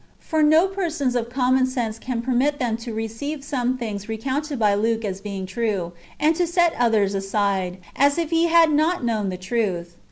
For no persons of common sense can permit them to receive some things recounted by Luke as being true, and to set others aside, as if he had not known the truth.